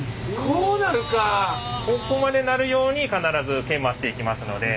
ここまでなるように必ず研磨していきますので。